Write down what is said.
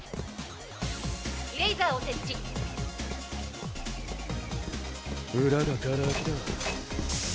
「イレイザーを設置」裏ががら空きだ